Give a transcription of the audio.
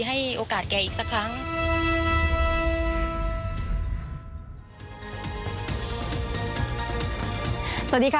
อันดับสุดท้าย